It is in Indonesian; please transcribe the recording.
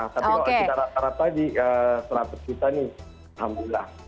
tapi kalau kita rata rata di seratus juta nih alhamdulillah